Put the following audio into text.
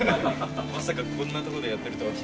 まさかこんな所でやってるとは。